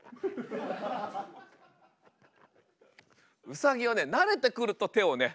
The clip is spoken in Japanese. ウサギはね慣れてくると手をね